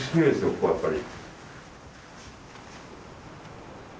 ここやっぱり。